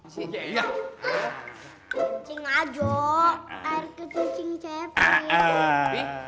kencing ajo air kecing cing cepi